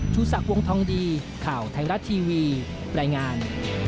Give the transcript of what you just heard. ชูศักดิ์วงทองดีข่าวไทยรัฐทีวีรายงาน